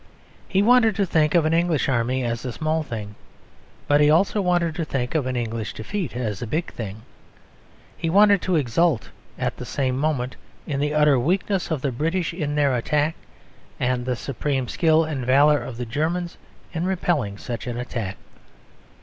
He wanted to think of an English Army as a small thing; but he also wanted to think of an English defeat as a big thing. He wanted to exult, at the same moment, in the utter weakness of the British in their attack; and the supreme skill and valour of the Germans in repelling such an attack.